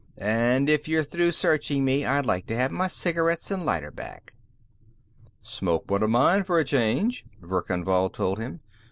"And if you're through searching me, I'd like to have my cigarettes and lighter back." "Smoke one of mine, for a change," Verkan Vall told him.